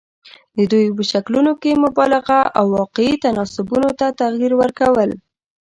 دوی په شکلونو کې مبالغه او واقعي تناسبونو ته تغیر ورکول.